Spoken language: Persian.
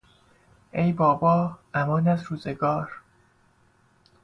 ای بابا!، امان از روزگار!